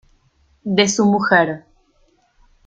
de su mujer.